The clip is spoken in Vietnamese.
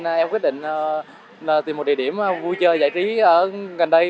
nên em quyết định tìm một địa điểm vui chơi giải trí gần đây